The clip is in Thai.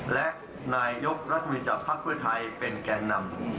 และนายยกรัฐมือจากภาคเพื่อไทยเป็นแก่นำ